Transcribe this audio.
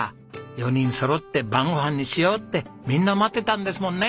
４人そろって晩ご飯にしようってみんな待ってたんですもんね。